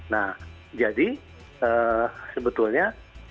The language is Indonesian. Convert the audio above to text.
nah jadi sebetulnya